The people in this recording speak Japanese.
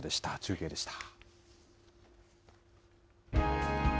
中継でした。